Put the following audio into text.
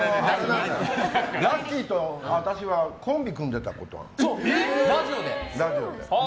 ラッキィと私はコンビ組んでたことがあって。